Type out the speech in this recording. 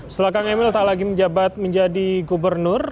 setelah kang emil tak lagi menjabat menjadi gubernur